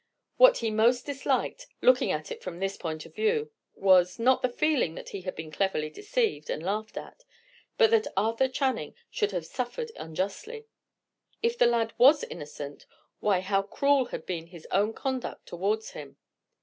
What he most disliked, looking at it from this point of view, was, not the feeling that he had been cleverly deceived and laughed at, but that Arthur Channing should have suffered unjustly. If the lad was innocent, why, how cruel had been his own conduct towards him!